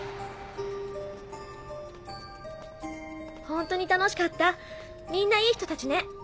ホントに楽しかったみんないい人たちね。